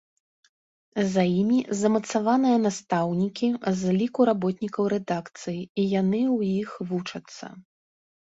За імі замацаваныя настаўнікі з ліку работнікаў рэдакцыі, і яны ў іх вучацца.